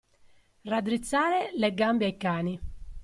Raddrizzare le gambe ai cani.